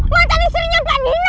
manten istrinya pak nino